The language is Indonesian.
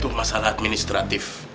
tuh masalah administratif